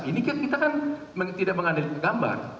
ini kan kita kan tidak mengandalkan gambar